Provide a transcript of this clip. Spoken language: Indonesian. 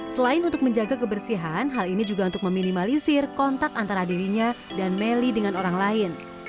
selain untuk menjaga kebersihan hal ini juga untuk meminimalisir kontak antara dirinya dan melly dengan orang lain